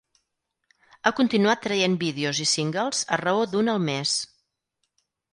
Ha continuat traient vídeos i singles a raó d'un al mes.